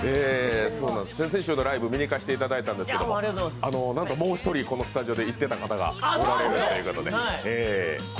先々週のライブ見に行かせていただいたんですけれどもなんともう１人、このスタジオで行っていた方がおられるという。